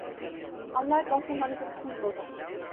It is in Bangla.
আল্লার কসম আমি তোকে খুন করব।